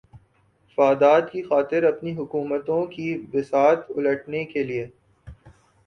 فادات کی خاطر اپنی حکومتوں کی بساط الٹنے کیلئے